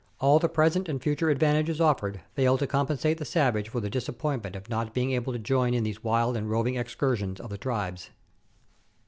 All the present and future advantages offered fail to compensate the savage for the disappointment of not being able to join in these wild and roving excursions of the tribes.